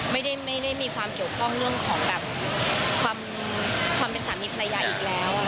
ไม่ได้มีความเกี่ยวข้องเรื่องของแบบความเป็นสามีภรรยาอีกแล้ว